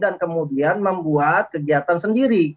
dan kemudian membuat kegiatan sendiri